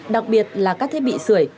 đặc biệt là các thiết bị sửa